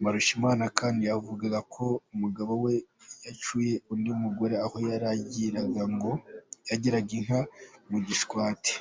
Mbarushimana kandi yavugaga ko umugabo we yacyuye undi mugore aho yaragiraga inka mu Gishwati.